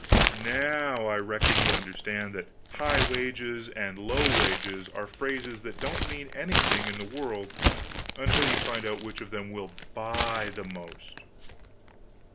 Now I reckon you understand that 'high wages' and 'low wages' are phrases that don't mean anything in the world until you find out which of them will buy the most!"